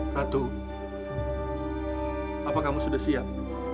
satu apa kamu sudah siap